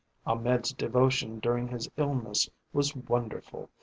Ahmed's devotion during his illness was wonderful.